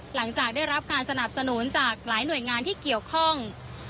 หลังจากได้รับการสนับสนุนจากหลายหน่วยงานที่เกี่ยวข้อง